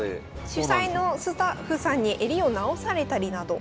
主催のスタッフさんに襟を直されたりなど。